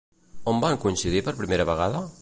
On van coincidir per primera vegada?